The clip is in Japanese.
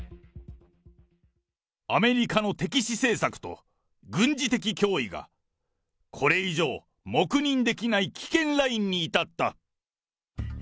アメリカの敵視政策と軍事的脅威が、これ以上、黙認できない危険ラインに至った。